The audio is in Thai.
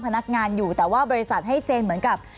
พนักงานอยู่แต่ว่าบริษัทให้เซ็นเหมือนกับ